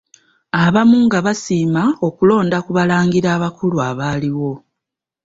Abamu nga basiima kulonda ku Balangira bakulu abaaliwo.